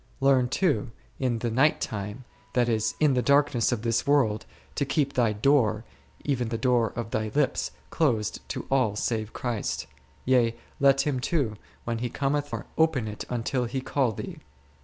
Learn too in the night time, that is, in the darkness of this world, to keep thy door, even the door of thy lips, closed to all save Christ : yea, let Him too, when He cometh, find it closed, nor open it until He call thee.